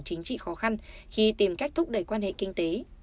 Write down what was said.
chính trị khó khăn khi tìm cách thúc đẩy quan hệ kinh tế